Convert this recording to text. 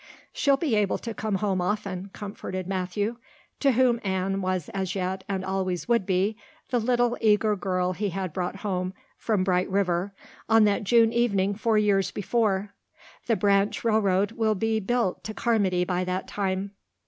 "She'll be able to come home often," comforted Matthew, to whom Anne was as yet and always would be the little, eager girl he had brought home from Bright River on that June evening four years before. "The branch railroad will be built to Carmody by that time."